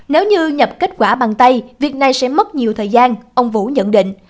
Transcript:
nếu như nhập kết quả bằng tay việc này sẽ mất nhiều thời gian ông vũ nhận định